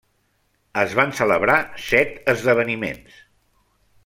Es van celebrar set esdeveniments.